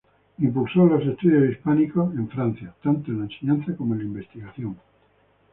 Impulsó los estudios hispánicos en Francia, tanto en la enseñanza como en la investigación.